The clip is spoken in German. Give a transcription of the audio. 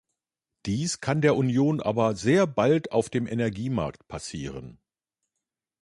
Dies kann der Union aber sehr bald auf dem Energiemarkt passieren.